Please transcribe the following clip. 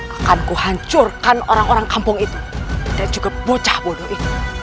akan kuhancurkan orang orang kampung itu dan juga bocah bodoh itu